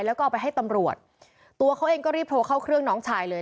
แล้วก็เอาไปให้ตำรวจตัวเขาเองก็รีบโทรเข้าเครื่องน้องชายเลย